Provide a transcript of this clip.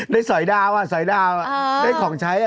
ได้สอยดาวได้ของใช้